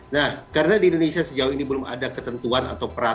nah karena di indonesia sejauh ini belum ada ketentuan atau peraturan